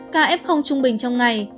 kf trung bình trong ngày